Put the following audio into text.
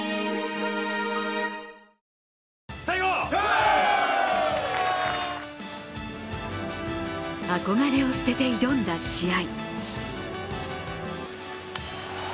あ憧れを捨てて挑んだ試合。